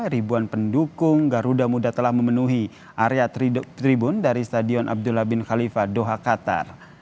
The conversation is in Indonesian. ribuan pendukung garuda muda telah memenuhi area tribun dari stadion abdullah bin khalifa doha qatar